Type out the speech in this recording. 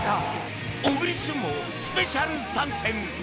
小栗旬もスペシャル参戦